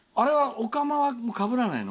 おかまはかぶらないの？